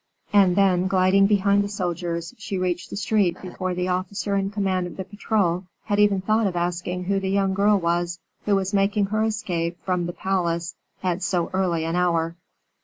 And then, gliding behind the soldiers, she reached the street before the officer in command of the patrol had even thought of asking who the young girl was who was making her escape from the palace at so early an hour.